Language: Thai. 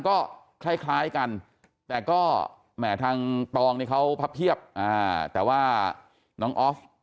ก็คล้ายกันแต่ก็แหมทางตองนี่เขาพับเพียบแต่ว่าน้องออฟ